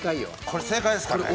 これ正解ですかね？